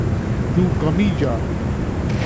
Yuu Kamiya